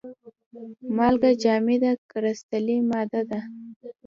مالګه جامده کرستلي ماده ده.